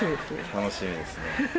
楽しみですね。